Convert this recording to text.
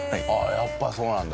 やっぱそうなんだ。